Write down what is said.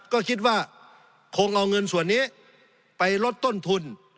ก็คิดว่าคงเอาเงินส่วนนี้ไปลดต้นทุน